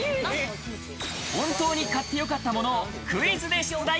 本当に買ってよかったものをクイズで出題。